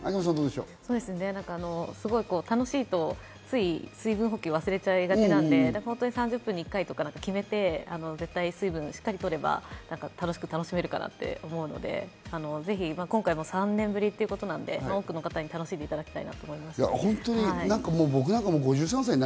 楽しいとつい水分補給を忘れちゃいがちなので、３０分に一回とか決めて、水分をしっかりとれば楽しく、楽しめるかなと思うので今回も３年ぶりということなので多くの方に楽しんでいただきたいと思います。